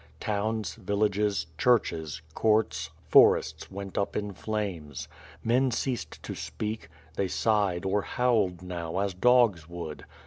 Towns, villages, churches, courts, forests went up in flames. Men ceased to speak; they sighed or howled now, as dogs would.